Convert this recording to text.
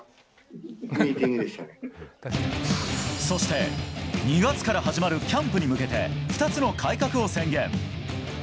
そして２月から始まるキャンプに向けて２つの改革を宣言。